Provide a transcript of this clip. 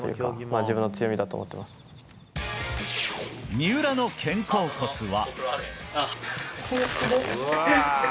三浦の肩甲骨は。